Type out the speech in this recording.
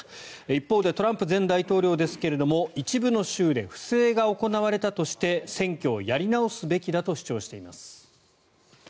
一方でトランプ前大統領ですが一部の州で不正が行われたとして選挙をやり直すべきだと主張しています。